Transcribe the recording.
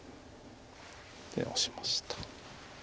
でオシました。